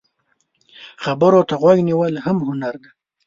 خبرو ته غوږ نیول هم هنر دی